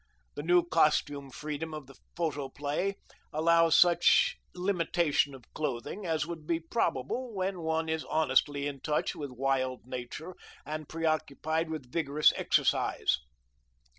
The new costume freedom of the photoplay allows such limitation of clothing as would be probable when one is honestly in touch with wild nature and preoccupied with vigorous exercise.